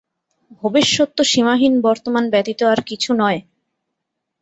ভবিষ্যৎ তো সীমাহীন বর্তমান ব্যতীত আর কিছু নয়।